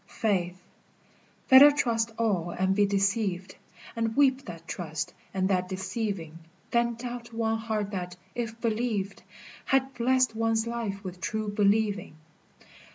FAITH. Better trust all and be deceived, And weep that trust and that deceiving, Than doubt one heart that, if believed, Had blessed one's life with true believing.